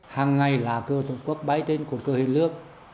hàng ngày lá cờ tổ quốc bay trên cuộc cờ hiền lương